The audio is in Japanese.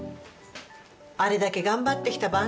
あれだけ頑張って来た